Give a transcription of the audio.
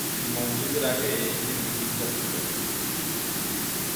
মসজিদের আগে এখানে একটি গির্জা ছিল।